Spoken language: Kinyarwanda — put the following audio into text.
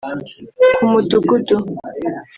ku mudugudu